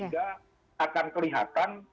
sehingga akan kelihatan